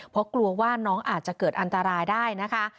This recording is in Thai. เพราะกลัวว่าน้องอาจจะเกิดอันตรายได้นะคะ